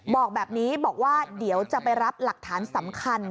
บอกแบบนี้บอกว่าเดี๋ยวจะไปรับหลักฐานสำคัญ